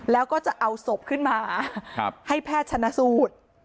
แล้วก็จะเอาศพขึ้นมาให้แพทย์ชนะสูตร